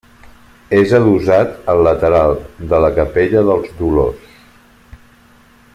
És adossat al lateral de la capella dels Dolors.